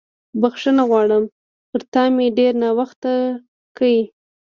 بښنه غواړم، پر تا مې ډېر ناوخته وکړ.